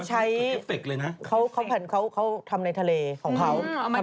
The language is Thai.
เพราะว่าเขาใช้เขาทำในทะเลของเขาทำในทะเลของเขาใช่ไหม